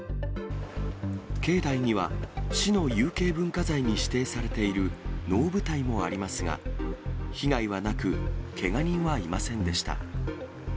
境内には、市の有形文化財に指定されている能舞台もありますが、被害はなく、けが人はいませんでした。